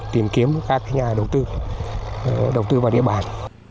tìm kiếm các nhà đầu tư đầu tư vào địa bàn